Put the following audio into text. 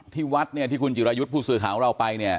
ที่วัดที่คุณจิรายุทธ์ผู้สื่อข่าวเราไป